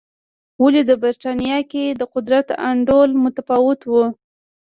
ولې د برېټانیا کې د قدرت انډول متفاوت و.